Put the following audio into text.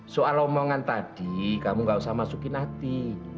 soal omongan tadi kamu gak usah masukin hati